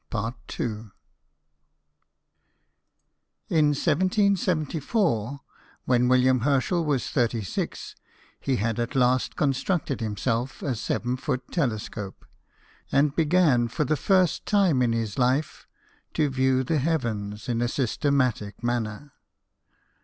101 In 1774, when William Herschel was thirty six, he had at last constructed himself a seven foot telescope, and began for the first time in his life to view the heavens in a systematic manner.